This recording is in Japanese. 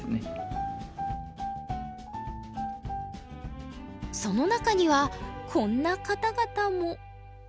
その中にはこんな方々も。